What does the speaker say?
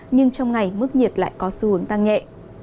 nhưng trong ngày mức nhiệt lại có xu hướng tăng nhẹ